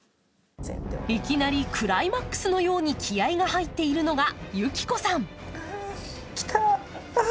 いきなりクライマックスのように気合いが入っているのが、ゆきこさん。